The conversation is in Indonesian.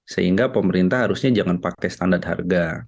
sehingga pemerintah harusnya jangan pakai standar harga